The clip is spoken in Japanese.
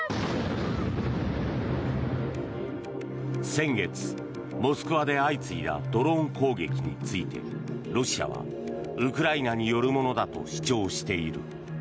先月、モスクワで相次いだドローン攻撃についてロシアはウクライナによるものだと主張している。